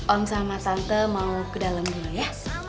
om sama tante mau ke dalam dulu ya